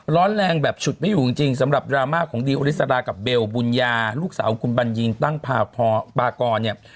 ร้อนแรงแบบฉุดไม่อยู่จริงสำหรับดราม่าของดิวอริสรากับเบลบุญญาลูกสาวของคุณบัญญีนตั้งพาพอปากรเนี่ย